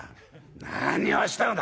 「何をしてるのだ？」。